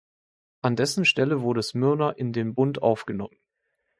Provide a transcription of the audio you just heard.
An dessen Stelle wurde Smyrna in den Bund aufgenommen.